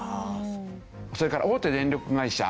それから大手電力会社